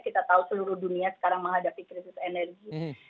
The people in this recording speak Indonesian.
kita tahu seluruh dunia sekarang menghadapi krisis energi